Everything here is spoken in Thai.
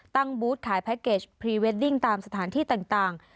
บูธขายแพ็คเกจพรีเวดดิ้งตามสถานที่ต่าง